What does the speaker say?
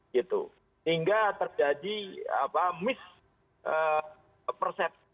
sehingga terjadi mispersepsi